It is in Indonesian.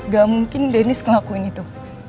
gak mungkin deniz ngelakuin itu